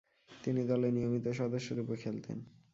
তিনি দলে নিয়মিত সদস্যরূপে খেলতেন।